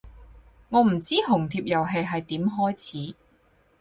我唔知紅帖遊戲係點開始